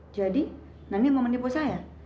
jadi nani mau menipu saya